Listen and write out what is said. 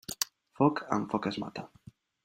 Foc, amb foc es mata.